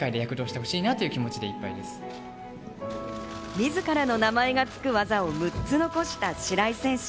自らの名前がつく技を６つ残した白井選手。